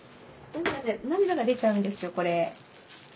涙で涙が出ちゃうんですよこれ。